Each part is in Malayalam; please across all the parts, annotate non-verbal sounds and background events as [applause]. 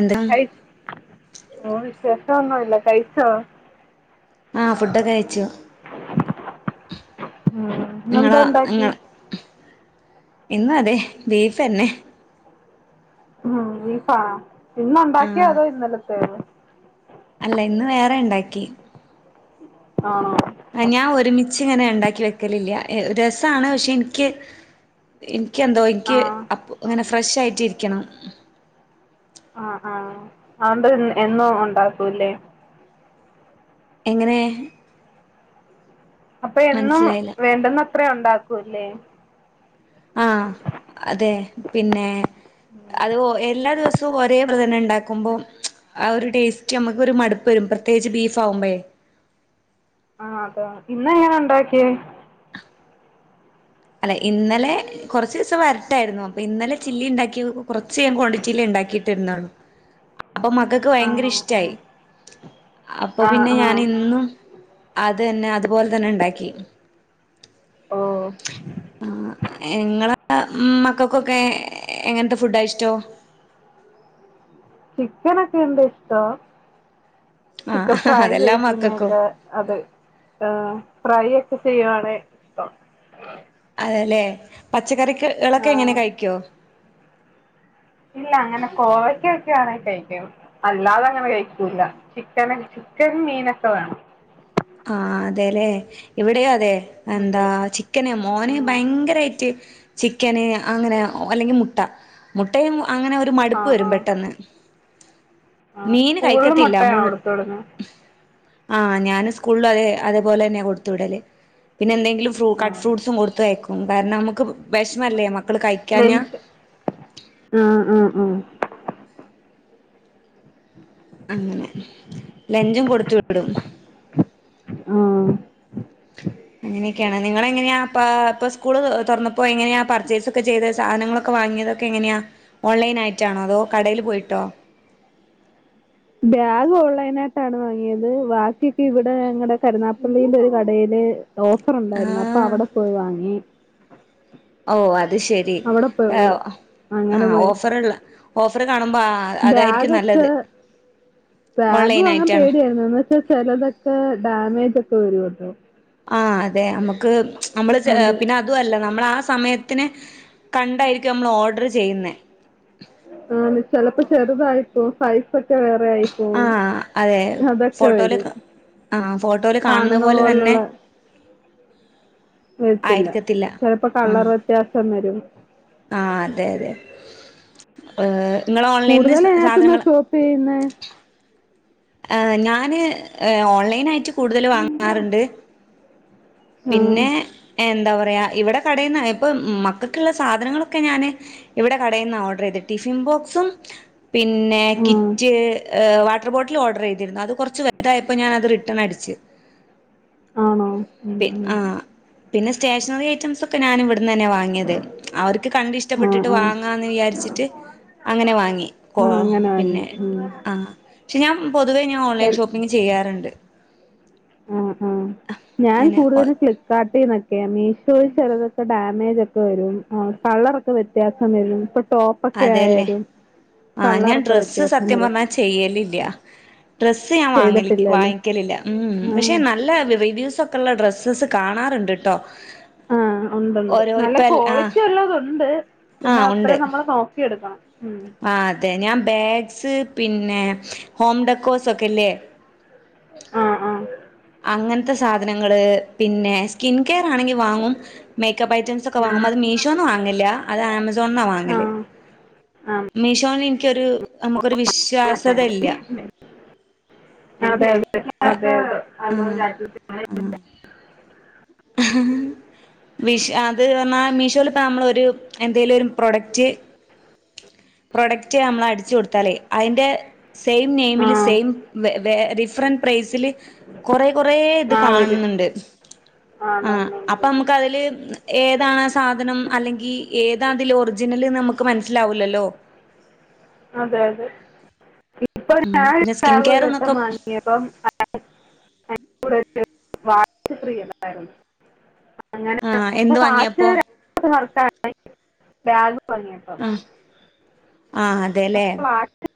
എന്താ കഴി വേറെ വിശേഷൊന്നും ഇല്ല കഴിച്ചോ? ആഹ് ഫുഡൊക്കെ കയ്ച്ചു. മ്. നിങ്ങളോ നിങ്ങള് ഇന്ന് അതെ ബീഫ് തന്നെ. ഉം ബീഫാ ഇന്നുണ്ടാക്കിയോ ആഹ് അതോ ഇന്നലെത്തേയോ? അല്ല ഇന്ന് വേറെ ഉണ്ടാക്കി. ആണോ. ഞാൻ ഒരുമിച്ചിങ്ങനെ ഉണ്ടാക്കി വെക്കലില്ല രസമാണ് പക്ഷെ എനിക്ക്. എനിക്കെന്തോ ആ എനിക്ക് അപ്പ അങ്ങനെ ഫ്രഷായിട്ടിരിക്കണം. ആഹ് ആഹ് അതൊണ്ട് എന്നും ഉണ്ടാക്കൂല്ലേ? എങ്ങനെ. അപ്പയെന്നും മനസ്സിലായില്ല വേണ്ടുന്നത്രേ ഉണ്ടാക്കൂലെ. ആഹ് അതെ പിന്നെ അത് എല്ലാ ദിവസോ ത്തും ഒരേ ഇതന്നെ ഉണ്ടാക്കുമ്പോ ആഹ് ഒരു ടേസ്റ്റ് നമുക്കൊരു മടുപ്പ് വരും പ്രത്യേകിച്ച് ബീഫാകുമ്പോഴേ. ആഹ് അതോ ഇന്ന എങ്ങനാ യുണ്ടാക്കിയേ? അല്ലെ ഇന്നലെ. കുറച്ചീസം വരട്ടായിരുന്നു അപ്പൊ ഇന്നലെ ചില്ലി ഉണ്ടാക്കി കുറച്ച് ക്വാണ്ടിറ്റിയിൽ ഉണ്ടാക്കിയിട്ടിരുന്നുള്ളൂ. അപ്പൊ മകൾക്ക് ഭയങ്കര ആണോ ഇഷ്ടായി ഉം. അപ്പൊ ആ പിന്നെ ആ ഞാൻ ഇന്നും. അതെന്നെ അതുപോലെ തന്നെ ഉണ്ടാക്കി. ഓഹ്. ആഹ് ഇങ്ങള മക്കൾക്കൊക്കെ എങ്ങനത്തെ ഫുഡാ ഇഷ്ടോ? ചിക്കനൊക്കെ എന്തിഷ്ടാ. ആ ചിക്കൻ ഫ്രൈ അതെല്ലാ മക്കൾക്കും ചെയ്ക്കുന്നൊക്കെ അത് ഫ്രൈ ഒക്കെ ചെയ്യുവാണേ. അതല്ലേ പച്ചക്കറിക്ക് കളൊക്കെ എങ്ങനെ ആ കഴിക്കൊ? ഇല്ല അങ്ങനെ കോവയ്ക്ക ഒക്കെ ആണേ കഴിക്കും. അല്ലാതങ്ങനെ കഴിക്കൂല ചിക്കനും ചിക്കൻ, മീനൊക്കെ വേണം. ആഹ് അതെല്ലെ ഇവിടെയും അതെ. എന്താ അതെ ചിക്കന് മോന് ആഹ് ഭയങ്കരായിട്ട്. ചിക്കന് അങ്ങനെ അല്ലെങ്കിൽ മുട്ട മുട്ടയും അങ്ങനെ ഒരു. മടുപ്പ് ആഹ് വരും ആഹ് പെട്ടെന്ന് ആഹ് മീന് സ്കൂളില് കഴിക്കത്തില്ല മുട്ടയാണോ മുൾ കൊടുത്ത് വിടുന്നെ ആഹ് ഞാനും സ്കൂളില് അത് പോലെ തന്നെയാ കൊടുത്തുവിടല് പിന്നെ എന്തെ ലും ഫ്രൂ കട്ട് ആഹ് ഫ്രൂട്ട്സും കൊടുത്തയക്കും കാരണം നമുക്ക് വെശ്ന്നല്ലേ മക്ക ഫെള്ൻസ് ആഹ് ആഹ് മ്. അങ്ങനെ ലഞ്ചും കൊടുത്തു വിടും. ആഹ്. അങ്ങനെയൊക്കെയാണ് നിങ്ങളെങ്ങനെയാപ്പ ഇപ്പ സ്കൂള് തുറന്നപ്പോ എങ്ങനെയാ പർച്ചേസൊക്കെ ചെയ്തെ സാധനങ്ങളൊക്കെ വാങ്ങിയത് തൊക്കെ എങ്ങനെയാ ഓൺലൈനായിറ്റാണോ അതോ കടയിൽ പോയിട്ടോ? ബാഗ് ഓൺലൈനായിട്ടാണ് വാങ്ങിയത് ബാക്കിയൊക്കെ ഇവിടെ ഞങ്ങടെ കരുനാഗപ്പള്ളീലെ ഒരു കടയില്. ഓഫറുണ്ടായിരുന്നു അപ്പൊ ആഹ് അവിടെ പോയി വാങ്ങി. ഓഹ് അത് ശരി അവിടെ പോയി ഏഹ് ആ അങ്ങനെ പോയി ഓഫറ്ള്ള ഓഫർ കാണുമ്പോ ആഹ്. ബാഗൊക്കെ ബാഗ് ഓൺലൈൻ വാങ്ങാൻ ആയിട്ടാണ് പേടിയായിരുന്നു എന്ന് പക്ഷെ ചിലതൊക്കെ ഡാമേജൊക്കെ വരുവല്ലോ. ആഹ് അതെ നമ്മക്ക് നമ്മള് ചെ പിന്ന അത് അതുയല്ല നമ്മളാ സമയത്തിന് കണ്ടായിരിക്കും നമ്മൾ ഓർഡർ ചെയ്യുന്നെ. ആണ് ചെലപ്പം ചെറുതായി. പോവും സൈസൊക്കെ വേറെ ആയിപ്പോവും ആഹ് അതെ അതൊക്കെ വരും. ഫോട്ടോയില് ആഹ് ഫോട്ടോയില് കാണുന്ന കാണുന്നപോലെ തന്നെ. പോലുള്ള വരുത്തില്ല ആയിരിക്കത്തില്ല ചെലപ്പോ ആഹ് കളർ വ്യത്യാസം വരും. ആഹ് അതെയതെ ഏഹ് നിങ്ങള് ഓൺലൈനിന്ന് സാധനങ്ങള് പിന്നെ ഏഹ് ഞാന് ഏഹ് ഓൺലേനായിറ്റ് കൂടുതല് വാങ്ങാറ്ണ്ട് ആ പിന്നെ എന്താ പറയ ഇവടെ കടേന്നായപ്പം മക്കക്കിള്ള സാധനങ്ങളൊക്കെ ഞാന് ഇവിടെ കടേന്ന ഓർഡറെയ്തെ ടിഫിൻ ബോക്സും പിന്നെ ആ കിറ്റ് ഏഹ് വാട്ട്ർ ബോട്ലും ഓഡ്റെയ്തിരുന്നു അത് കൊർച്ച് വ തായപ്പോ ഞാനത് റിട്ടേണടിച് ആണോ ഉം, പി ഉം. ആഹ് പിന്നെ സ്റ്റേഷനറിഴഐറ്റംസൊക്കെ ഞാനിവിട്ന്നെന്നെ വാങ്ങ്യെത് അവർക്ക് ആ കണ്ടിഷ്ടപ്പെട്ടിട്ട് ആ വാ ങ്ങാന്ന് വിയാരിച്ചിട്ട് അങ്ങനെവാങ്ങി കോ ആ അങ്ങനെ വാങ്ങി പിന്നെ ഉം. ആഹ് ഷെ ഞാൻ പൊതുവേ ഞാൻ ഓൺലൈൻ എൽ- ഷോപ്പിംഗ് ചെയ്യാറിണ്ട് ആഹ് ആഹ് ഞാൻ കൂട്തലും ഫ്ലിപ്പ് കാട്ടീന്ന ക്കേ മീഷോല് ചെലെതൊക്കെ ഡാമേജോക്കെ വരും ആഹ് കളറൊക്കെ വ്യത്യാസം വരും ഇപ്പൊ ടോ പൊക്കെ അതെല്ലേ ആയാലും കള്ളറൊക്കെ വ്യത്യാസവരും ചെയ്യലില്ല്യ ഡ്രസ്സ് ഞാൻ വാങ്ങലി ചെയ്തിട്ടില്ലല്ലേ? വാങ്ങിക്കലില്ല ഉം പഷെ ആഹ് നല്ല റിവ്യൂസോ ക്കെള്ള ഡ്രസ്സസ് കാണാറിണ്ട് ട്ടോ ആഹ് ഒണ്ടൊണ്ട് ഓരോ നല്ല ഇപ്പ ആഹ് ക്വാളിറ്റി ഒളെളത്ണ്ട് പിന്നെ ആഹ് അത്രേം ഉണ്ട് നമ്മള് നോക്കിയെടുക്കണം ഉം ആഹ് അതെ ഞാൻ ബാഗ്സ് പിന്നെ ഹോം ഡെകോസോക്കെല്ലേ ആഹ് ആഹ് അങ്ങൻത്തെ സാധനങ്ങള് പിന്നെ സ് കിൻ കെയറാണെങ്കി വാങ്ങും മേക്കപ്പ് ഐറ്റംസൊക്കെ വാങ്ങും ആഹ് അത് മീശോ ഓന്ന് വാങ്ങല്ല അത് ആമസോൺന്നാ വാങ്ങല് ആഹ് ആഹ്. മീഷോന്നിക്കൊരു നമുക്കൊരു വിശ്വാസ്തല്ല്യ അതെയതെ അതെയതെ ആഹ് മീശൊ അത് അർഞ്ഞാ മീഷോല് ഇപ്പോ നമ്മളൊരു എന്തേലൊരു പ്രൊഡക്റ്റ് പ്രൊഡക്റ്റ് അമ്മളടിചൊട്ത്താലേ അയിൻ്റെ സെയിം നെയിമില് ആഹ് സെയിം വെ വേ ഡിഫറൻ പ്രൈസില് കൊറെ കൊറേ ഇത് ആഹ് വരും. കാണുന്നുണ്ട് ആഹ് ആണുണ്ടുണ്ടുണ്ട്. അപ്പമ്മക്കതില് ഏതാണാസാ സാധനം അല്ലെങ്കി ഏതാതിൽ ഒറിജിനല്ന്നമ്മക്ക് മനസ്സിലാവൂല്ലല്ലോ അതെയതെ ഇപ്പൊ ഞാൻ പിന്നെ സ്കിൻ കെയർ ആകൊരുവട്ടം എന്നൊക്കെ വാങ്ങി ങ്ങിയപ്പം അയിന്റെ കൂടൊരു വാച്ച് ഫ്രീ ഒണ്ടായിരുന്നു അങ്ങനെ ആഹ് എന്ത് [unintelligible] വാച്ച് വാങ്ങിയപ്പോ ര [unintelligible] ബാഗ് വാങ്ങിയപ്പം ആഹ് അതെല്ലേ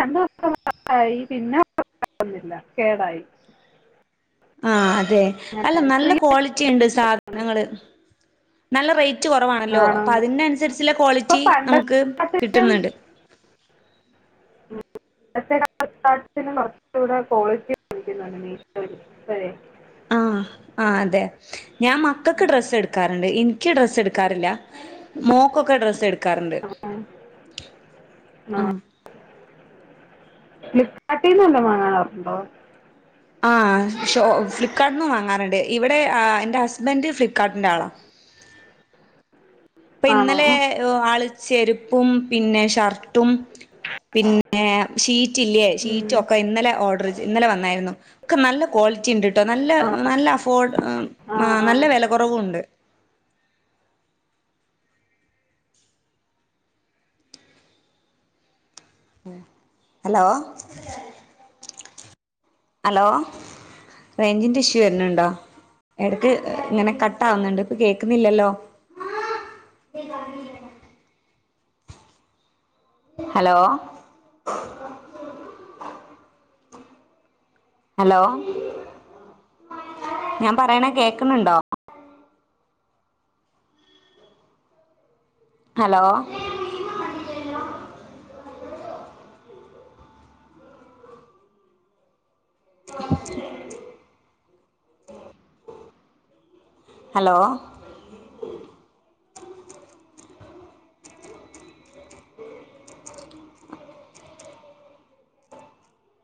രണ്ട് വർഷം വർക്കായി പിന്നെ [unintelligible] ഒന്നുല്ല കേടായി ആഹ് അതെ അല്ല അങ്ങനെ നല്ല ഫ്രീ ക്വാളിറ്റിണ്ട് സാധനങ്ങള് നല്ല റേറ്റ് കൊറവാണല്ലോ ആണോന്ന് അപ്പതിന്നൻസര്ച്ചുള്ള ഇപ്പൊ ക്വാളിറ്റി നമുക്ക് പണ്ടത്തെക്കാട്ടിലും കിട്ടിന്നിണ്ട് [unintelligible] കൊറച്ചൂടെ ക്വാളിറ്റി [unintelligible] മീശോല് പേരെ ആഹ് ആഹ് അതെ ഞാൻ മക്കക്ക് ഡ്രസ്സെടു ക്കാറ്ണ്ട് ഇൻക്ക് ഡ്രസ്സ് ഇട്ക്കാറില്ല മോക്കൊക്കെ ഡ്രസ്സെടുക്കാറിണ്ട് ഫ്ലിപ്കാർട്ടിന്ന് വല്ലതും വാങ്ങാർണ്ടോ ആഹ് ഷോ ഫ്ലിപ്കാർട്ന്നു വാങ്ങാറിണ്ട് ഇവെടെ ആഹ് എന്റെ ഹസ്ബൻ്റ് ഫ്ലിപ്കാർട്ടിന്റാളാ ഇപ്പൊ ആണോ ഇന്നലെ ആള് ചെരുപ്പും പിന്നെ ഷർട്ടും പിൻ ഏഹ് ഷീറ്റില്ലേ ഉം ഷീറ്റൊക്കെ ഇന്നലെ ഓഡ്റ് ചെയ് ഇന്നലെ വന്നായിരുന്നു ക്കെ നല്ല ക്വാളിറ്റിണ്ട്. ട്ടോ നല്ല ആണോ നല്ല അഫോഡ് ഏം ആ ആഹ് നല്ല ആ വെല കൊറവുണ്ട്. Hello hello. റേഞ്ചിന്റെ ഇഷ്യൂ വര്ന്ണ്ടോ എടക്ക് ഇങ്ങനെ കട്ട് ആവുന്നുണ്ട് ഇപ്പൊ കേക്കുന്നില്ലല്ലോ [inaudible] ഹലോ. ഹലോ ഞാൻ പറയണെ കേക്കുന്നുണ്ടോ? ഹലോ. [inaudible] ഹലോ.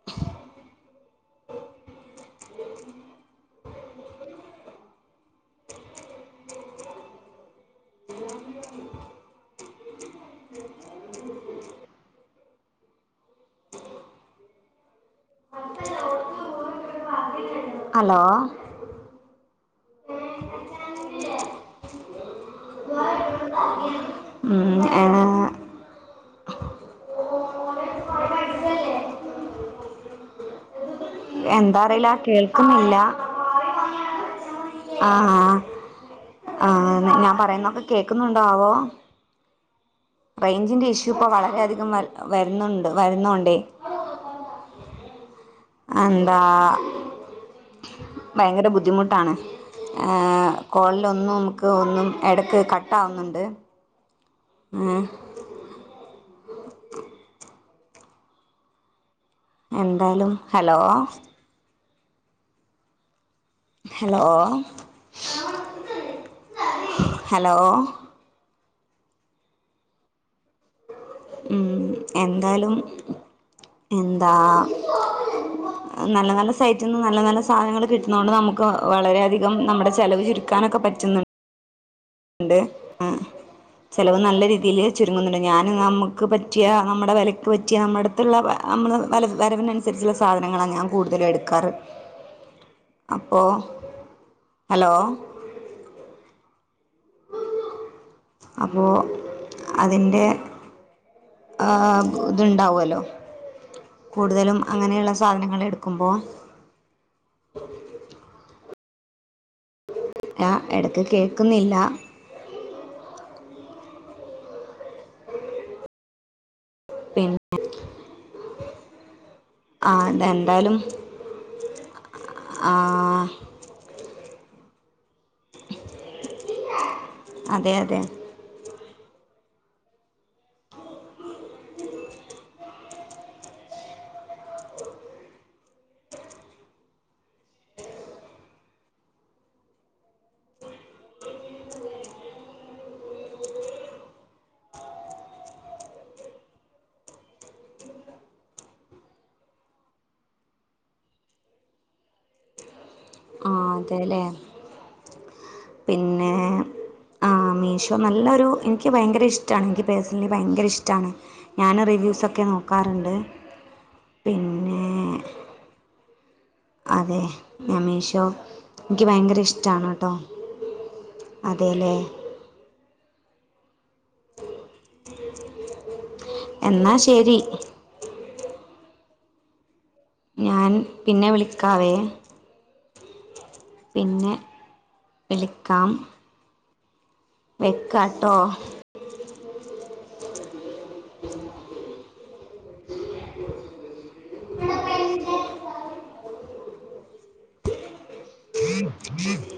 [inaudible] അലോ. ഉം ഏഹ്. എന്താ അറീല കേൾക്കുന്നില്ല. ആഹ് ആ ഞാൻ പറയുന്നൊക്കെ കേക്കുന്നുണ്ടോ ആവോ? റേഞ്ചിന്റെ ഇഷ്യൂ ഇപ്പ വളരെയധികം വരു വരുന്നുണ്ട് വരുന്നുണ്ടേ. എന്താ ഭയങ്കര ബുദ്ധിമുട്ടാണ്. ഏഹ് കോളിലൊന്നും നമുക്ക് ഒന്നും എടക്ക് കട്ടാവുന്നുണ്ട്. ഉം. എന്തായാലും ഹലോ. Hello hello. ഉം എന്താലും എന്താഹ്. നല്ല നല്ല സൈറ്റ്ന്ന് നല്ല നല്ല സാനങ്ങങ്ങള് കിട്ട്ണോണ്ട് നമുക്ക് വളരെയധികം നമ്മുടെ ചെലവ് ചുരുക്കാനൊക്കെ പറ്റുന്നുണ്ട്. ണ്ട് ഉം. ചെലവ് നല്ല രീതിയിൽ ചുരുങ്ങുന്നുണ്ട് ഞാൻ നമുക്ക് പറ്റിയ നമ്മുടെ വെലക്ക് പറ്റിയ നമ്മടെ. ത്തുള്ള ഹ് അമ്മള് വെര് വെര വെരവിനനുസരിച്ചുള്ള സാധനങ്ങളാ ഞാൻ കൂടുതലും എടുക്കാറ്. അപ്പോ അലോ. അപ്പോ അതിന്റെ. ആഹ് ഇതുണ്ടാവുല്ലോ. കൂടുതലും അങ്ങനെയുള്ള സാധനങ്ങൾ എടുക്കുമ്പോ. ല എടക്ക് കേക്കുന്നില്ല. പിന്നെ. ആ ഇതെന്തായാലും ആഹ്. അതെ അതെ. ആഹ് അതെലെ പിന്നെ. ആ മീഷോ നല്ലൊരു എനിക്ക് ഭയങ്കര ഇഷ്ട്ടാണ് എനിക്ക് പേഴ്സണലി ഭയങ്കര ഇഷ്ട്ടാണ്. ഞാൻ റിവ്യൂസൊക്കെ നോക്കാറ്ണ്ട് പിന്നെ. അതെ ഞാൻ മീഷോ ഇൻക്ക് ഭയങ്കര ഇഷ്ട്ടാണ് ട്ടോ. അതേലെ. എന്നാ ശെരി. ഞാൻ പിന്നെ വിളിക്കാവേ. പിന്നെ വിളിക്കാം. വെക്കാട്ടോ. [inaudible] [inaudible]